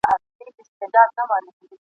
استاد چي معلومات ئې ورکړل، بسم الله خان وو.